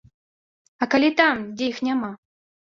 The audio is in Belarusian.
А калі там, дзе іх няма?